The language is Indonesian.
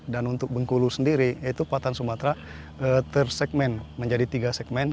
dan untuk bengkulu sendiri yaitu patan sumatera tersegmen menjadi tiga segmen